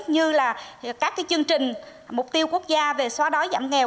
như là các chương trình mục tiêu quốc gia về xóa đói giảm nghèo